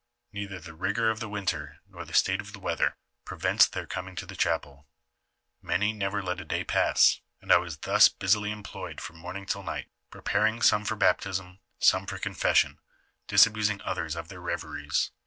Neither the rigor of the winter, nor the state of the weather, prevents their coming to the chapel ; many never let a day pass, and I was thus busily employed from morning till night, preparing some for baptism, some for confession, disabusing others of their reveries.